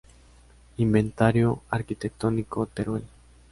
Inventario arquitectónico: Teruel.